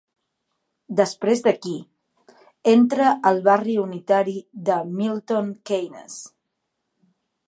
Després d'aquí, entra al barri unitari de Milton Keynes.